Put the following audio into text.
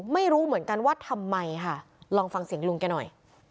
ไม่รู้เหมือนกันว่าทำไมค่ะลองฟังเสียงลุงแกหน่อย